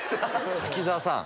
滝沢さん。